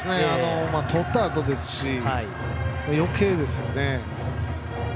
取ったあとですしよけいですよね。